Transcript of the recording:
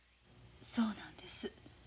そうなんです。